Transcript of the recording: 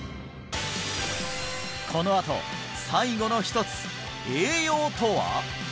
このあと最後の一つ栄養とは？